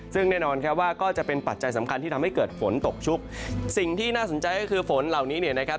ซึ่งแน่นอนครับว่าก็จะเป็นปัจจัยสำคัญที่ทำให้เกิดฝนตกชุกสิ่งที่น่าสนใจก็คือฝนเหล่านี้เนี่ยนะครับ